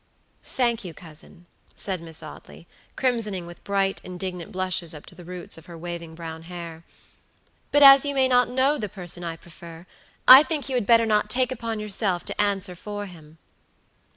"Thank you, cousin," said Miss Audley, crimsoning with bright, indignant blushes up to the roots of her waving brown hair; "but as you may not know the person I prefer, I think you had better not take upon yourself to answer for him."